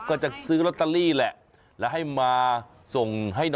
ก็จะซื้อลอตเตอรี่และให้มา